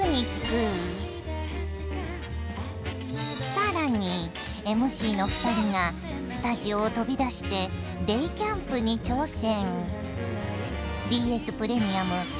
更にＭＣの２人がスタジオを飛び出してデイキャンプに挑戦！